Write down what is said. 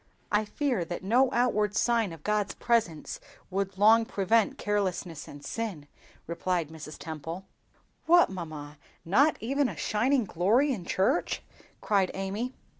"I fear that no outward sign of God's presence would long prevent carelessness and sin," replied Mrs. Temple. "What, mamma, not even a shining glory in church!" cried Amy.